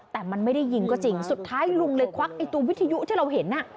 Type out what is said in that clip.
แต่มันไม่ได้ยิงก็จริงสุดท้ายลุงเลยควักไอ้ตัววิทยุที่เราเห็น